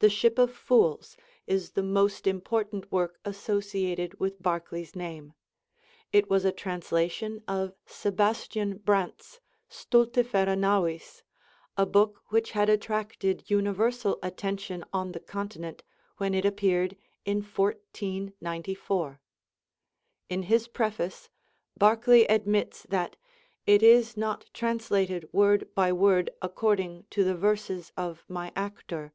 'The Ship of Fools' is the most important work associated with Barclay's name. It was a translation of Sebastian Brandt's 'Stultifera Navis,' a book which had attracted universal attention on the Continent when it appeared in 1494. In his preface, Barclay admits that "it is not translated word by word according to the verses of my actor.